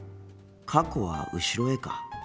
過去は後ろへか。